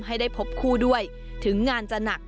ให้ได้พบคู่ด้วยถึงงานจะหนัก